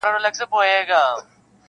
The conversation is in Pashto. د ستورو په رڼا به رویباري کوو د میني-